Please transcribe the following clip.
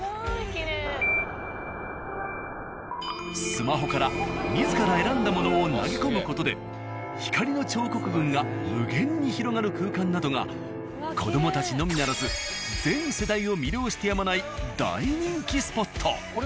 スマホから自ら選んだものを投げ込む事で光の彫刻群が無限に広がる空間などが子どもたちのみならず全世代を魅了してやまない大人気スポット。